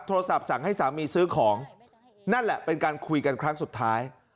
โทรศัพท์สั่งให้สามีซื้อของนั่นแหละเป็นการคุยกันครั้งสุดท้าย